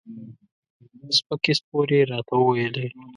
سپکې سپورې یې راته وویلې.